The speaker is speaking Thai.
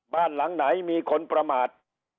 บ้านหลังไหนมีคนประมาท